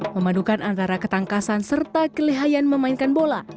memadukan antara ketangkasan serta kelehayan memainkan bola